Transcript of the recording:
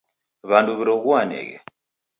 W'andu w'iroghuaneghe.